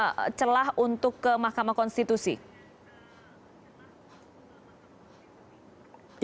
bagaimana dengan celah untuk ke mahkamah konstitusi